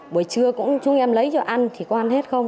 buổi trưa cũng chúng em lấy cho ăn thì con ăn hết không